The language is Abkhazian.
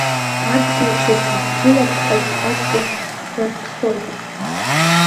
Адгьыл чашә ззылаԥхаз аҵла тәӷәарԥсоит.